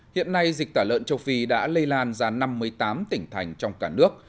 hiện nay dịch tả lợn châu phi đã lây lan ra năm mươi tám tỉnh thành trong cả nước